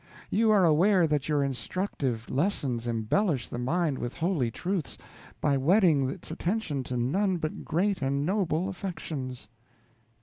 You are aware that your instructive lessons embellish the mind with holy truths, by wedding its attention to none but great and noble affections.